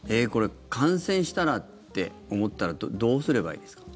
感染したなって思ったらどうすればいいですか？